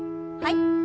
はい。